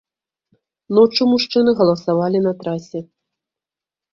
Ноччу мужчыны галасавалі на трасе.